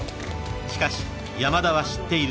［しかし山田は知っている］